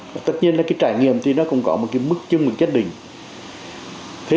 phẩm nghề nâu về hệ thống quốc hội công tử